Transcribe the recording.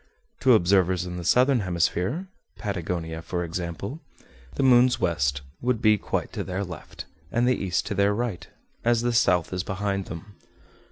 To observers in the southern hemisphere (Patagonia for example), the moon's west would be quite to their left, and the east to their right, as the south is behind them.